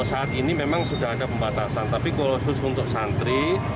oh saat ini memang sudah ada pembatasan tapi kalau sus untuk santri